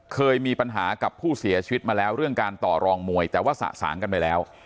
เคยมีปัญหากับผู้เสียชีวิตมาแล้วเรื่องการต่อรองมวยแต่ว่าสะสางกันไปแล้ว